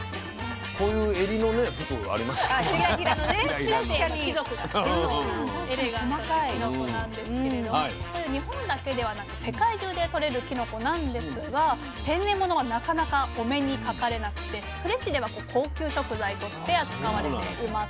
中世の貴族が着てるようなエレガントなきのこなんですけれどもこれ日本だけではなく世界中でとれるきのこなんですが天然物はなかなかお目にかかれなくてフレンチでは高級食材として扱われています。